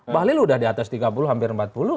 balil udah di atas tiga puluh hampir empat puluh